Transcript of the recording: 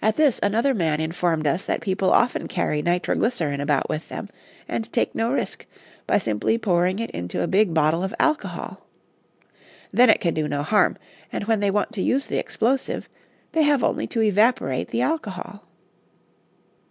At this another man informed us that people often carry nitroglycerin about with them, and take no risk, by simply pouring it into a big bottle of alcohol. Then it can do no harm; and when they want to use the explosive, they have only to evaporate the alcohol.